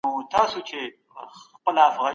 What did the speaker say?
دا یو هوښیار انتخاب و.